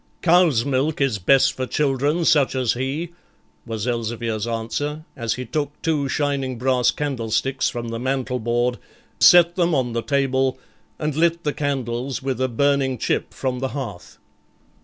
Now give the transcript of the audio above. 'Cows' milk is best for children such as he,' was Elzevir's answer, as he took two shining brass candlesticks from the mantel board, set them on the table, and lit the candles with a burning chip from the hearth.